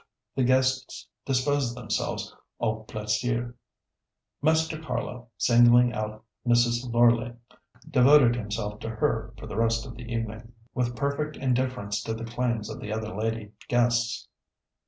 The guests disposed themselves au plaisir. Master Carlo, singling out Mrs. Loreleigh, devoted himself to her for the rest of the evening, with perfect indifference to the claims of the other lady guests.